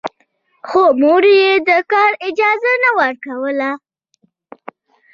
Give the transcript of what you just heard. خو مور يې د کار اجازه نه ورکوله.